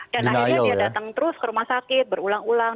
dan akhirnya dia datang terus ke rumah sakit berulang ulang